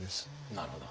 なるほど。